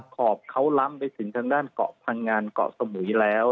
ขอบเขาล้ำไปถึงทางด้านเกาะพังงานเกาะสมุยแล้ว